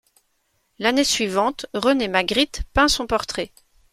L'année suivante, René Magritte peint son portrait.